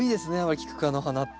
キク科の花って。